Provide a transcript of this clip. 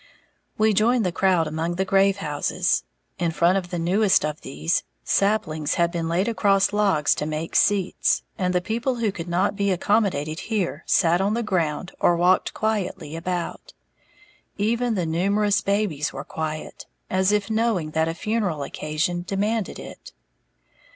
We joined the crowd among the grave houses. In front of the newest of these, saplings had been laid across logs to make seats; and the people who could not be accommodated here sat on the ground or walked quietly about. Even the numerous babies were quiet, as if knowing that a funeral occasion demanded it.